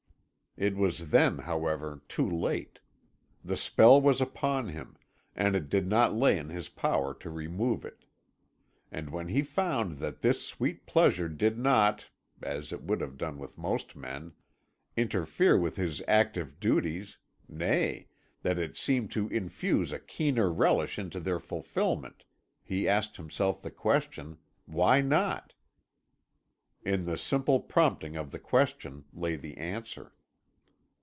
It was then, however, too late. The spell was upon him, and it did not lay in his power to remove it. And when he found that this sweet pleasure did not as it would have done with most men interfere with his active duties, nay, that it seemed to infuse a keener relish into their fulfilment, he asked himself the question, "Why not?" In the simple prompting of the question lay the answer.